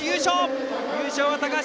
優勝は高橋！